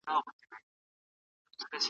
د مدرسو ملاتړ وکړئ.